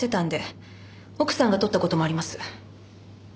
奥さんが取った事もあります。